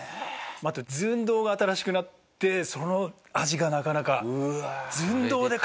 あと寸胴が新しくなってその味がなかなか。